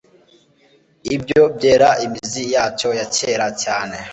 Ibyo byera imizi yacyo ya kera cyane.